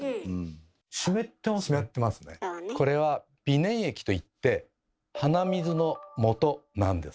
これは鼻粘液といって鼻水のもとなんです。